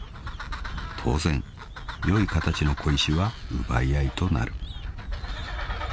［当然良い形の小石は奪い合いとなる］